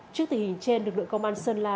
trước tình hình trên lực lượng công an sơn la